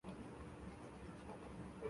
后再度受邀而再赴东京从事导演工作。